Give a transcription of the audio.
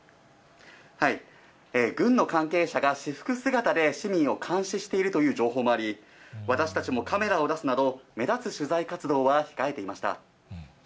軍の関係者が私服姿で市民を監視しているという情報もあり、私たちもカメラを出すなど、目立つ取材活動は控えていました。